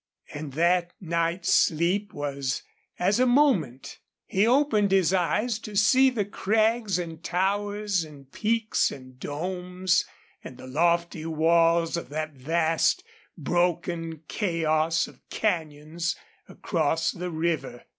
And that night's sleep was as a moment. He opened his eyes to see the crags and towers and peaks and domes, and the lofty walls of that vast, broken chaos of canyons across the river.